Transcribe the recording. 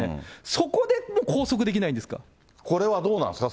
そこでもう拘束できないんですかこれはどうなんですか？